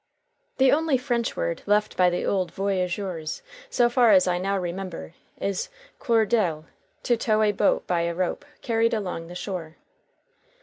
The only French word left by the old voyageurs, so far as I now remember, is "cordelle," to tow a boat by a rope carried along the shore.